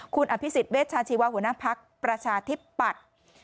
คุณอภิษฎเวชาชีวะหัวหน้าพักประชาธิปัตย์